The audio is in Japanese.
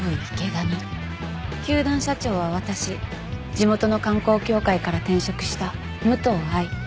球団社長は私地元の観光協会から転職した武藤愛。